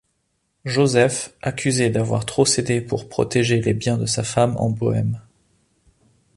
Joseph accusé d'avoir trop cédé pour protéger les biens de sa femme en Bohême.